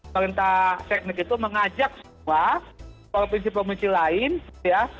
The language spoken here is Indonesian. perintah seknek itu mengajak semua provinsi provinsi lain ya